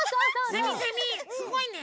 セミセミすごいね。